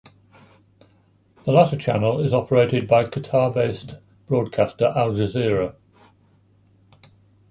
The latter channel is operated by Qatar-based broadcaster Al Jazeera.